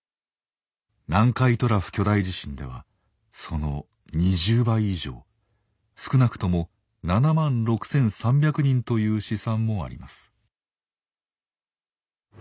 南海トラフ巨大地震ではその２０倍以上少なくとも７万６，３００人という試算もあります。